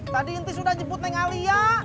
tadi tis sudah jemput neng ali ya